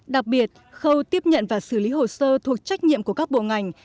đặc biệt khâu tiếp nhận và xử lý hồ sơ thuộc trách nhiệm của các bộ ngành